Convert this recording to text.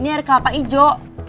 ini air kapang ijo